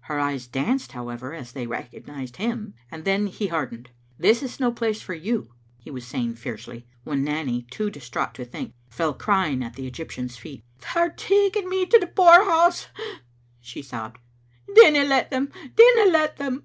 Her eyes danced, however, as they recog nised him, and then he hardened. This is no place for you," he was saying fiercely, when Nanny, too dis traught to think, fell crying at the Egyptian's feet. "They are taking me to the poorhouse," she sobbed; "dinna let them, dinna let them."